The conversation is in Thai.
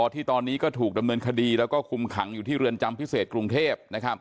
ที่ตอนนี้ก็ถูกดำเนินคดีแล้วก็คุมขังอยู่ที่เรือนจำพิเศษกรุงเทพ